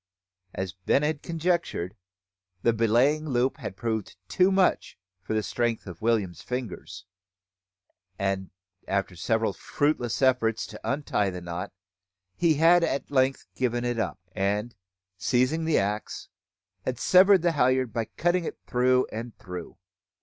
As Ben had conjectured, the belaying loop had proved too much for the strength of William's fingers; and, after several fruitless efforts to untie the knot, he had at length given it up, and, seizing the axe, had severed the halliard by cutting it through and through.